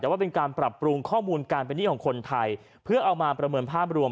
แต่ว่าเป็นการปรับปรุงข้อมูลการเป็นหนี้ของคนไทยเพื่อเอามาประเมินภาพรวม